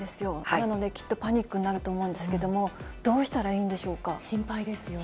なので、きっとパニックになると思うんですけれども、どうしたらいいんで心配ですよね。